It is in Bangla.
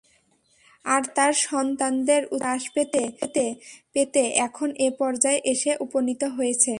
আর তার সন্তানদের উচ্চতা হ্রাস পেতে পেতে এখন এ পর্যায়ে এসে উপনীত হয়েছে।